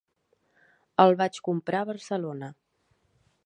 El vaig comprar a Barcelona.